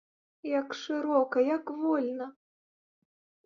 Як шырока, як вольна!